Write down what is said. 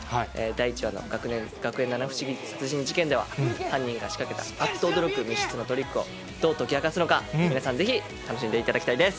第１話の学園七不思議殺人事件では、犯人が仕掛けたあっと驚く密室のトリックをどう解き明かすのか、皆さんぜひ楽しんでいただきたいです。